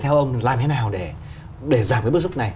theo ông làm thế nào để giảm bức xúc này